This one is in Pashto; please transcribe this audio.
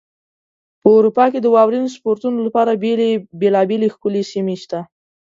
په اروپا کې د واورین سپورتونو لپاره بېلابېلې ښکلې سیمې شته.